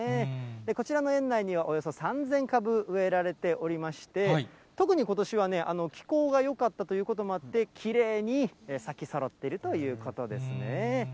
こちらの園内には、およそ３０００株植えられておりまして、特にことしはね、気候がよかったということもあって、きれいに咲きそろっているということですね。